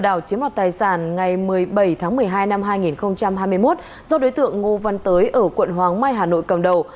đảo chiếm đoạt tài sản ngày một mươi bảy tháng một mươi hai năm hai nghìn hai mươi một do đối tượng ngô văn tới ở quận hoàng mai hà nội cầm đầu